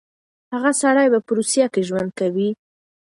هغه سړی به په روسيه کې ژوند کوي.